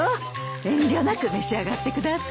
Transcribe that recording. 遠慮なく召し上がってください。